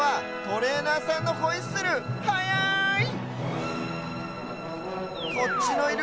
トレーナーさんのホイッスルチェアすごい！